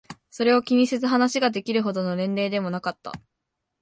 それを気にせず話ができるほどの年齢でもなかった。